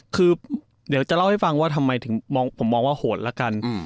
คือเดี๋ยวจะเล่าให้ฟังว่าทำไมถึงผมมองว่าโหดละกัน